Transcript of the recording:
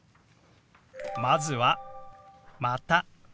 まずは「また」。